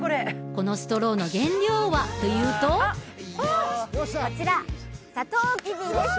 このストローの原料はというとこちら「サトウキビ」です